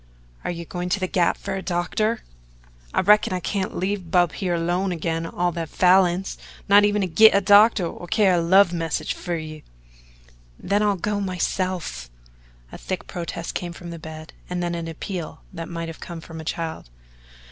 "Are you going to the Gap for a doctor?" "I reckon I can't leave Bub here alone agin all the Falins not even to git a doctor or to carry a love message fer you." "Then I'll go myself." A thick protest came from the bed, and then an appeal that might have come from a child.